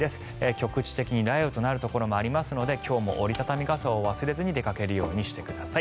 局地的に雷雨となるところもありますので今日も折り畳み傘を忘れずに出かけるようにしてください。